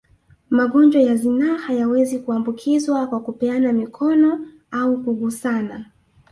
Magonjwa ya zinaa hayawezi kuambukizwa kwa kupeana mikono au kugusana